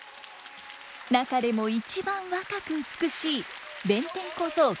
中でも一番若く美しい弁天小僧菊之助。